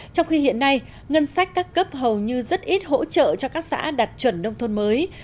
trong khi hiện nay ngân sách các cấp hầu như rất ít hỗ trợ cho các xã đạt chuẩn nông thôn mới